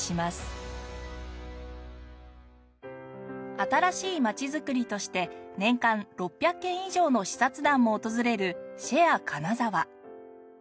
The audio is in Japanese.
新しい街づくりとして年間６００件以上の視察団も訪れるＳｈａｒｅ金沢。